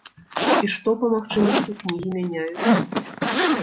І што, па магчымасці, кнігі мяняюць.